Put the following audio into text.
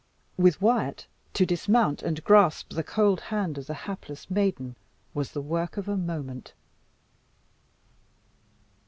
With Wyat, to dismount and grasp the cold hand of the hapless maiden was the work of a moment.